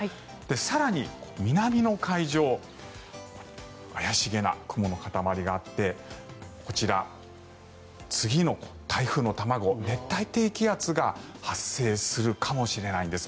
更に南の海上怪しげな雲の塊があってこちら、次の台風の卵熱帯低気圧が発生するかもしれないんです。